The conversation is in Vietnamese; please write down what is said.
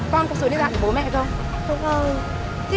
con không nhớ